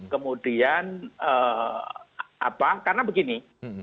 kemudian apa karena begini